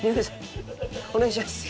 お願いします